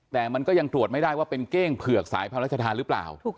แต่มันก็ยังตรวจไม่ได้ว่าเป็นเก้งเผือกสายพระราชทานหรือเปล่า